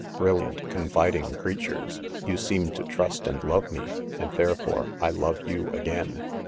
• Brilliant confiding creatures, you seemed' to trust and love me, and therefore 1 love you 'again!